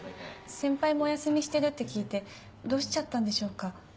先輩もお休みしてるって聞いてどうしちゃったんでしょうか。